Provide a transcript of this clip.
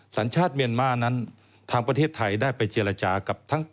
สัญชาติเมียนมาร์นั้นทางประเทศไทยได้ไปเจรจากับทั้ง